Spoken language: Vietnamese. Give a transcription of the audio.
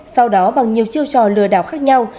sau đó bằng nhiều chiêu trò lừa đảo khác nhau